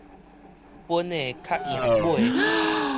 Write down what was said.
分的較贏買的